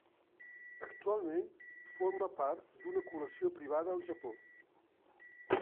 Actualment forma part d'una col·lecció privada al Japó.